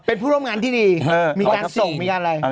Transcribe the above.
เป็นผู้ร่วมงานที่ดี